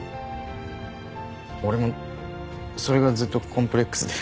俺もそれがずっとコンプレックスで。